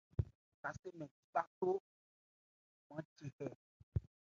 Kasé mɛn di bháthó maán che hɛ.